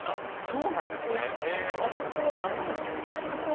あそこは何屋さんなんですか？